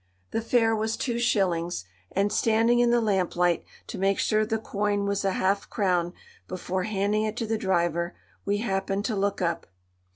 The fare was two shillings, and, standing in the lamplight to make sure the coin was a half crown before handing it to the driver, we happened to look up.